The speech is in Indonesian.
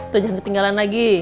tuh jangan ditinggalin lagi